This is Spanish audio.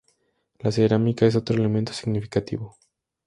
La cerámica es otro elemento significativo.